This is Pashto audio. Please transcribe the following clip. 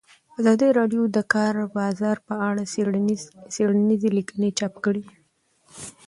ازادي راډیو د د کار بازار په اړه څېړنیزې لیکنې چاپ کړي.